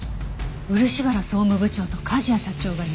漆原総務部長と梶谷社長が癒着？